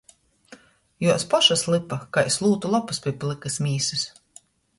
Juos pošys lypa kai slūtu lopys pi plykys mīsys.